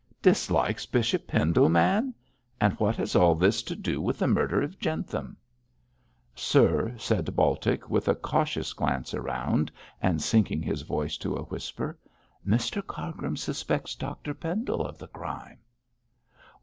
'Dislikes Bishop Pendle, man! And what has all this to do with the murder of Jentham?' 'Sir,' said Baltic, with a cautious glance around, and sinking his voice to a whisper, 'Mr Cargrim suspects Dr Pendle of the crime.'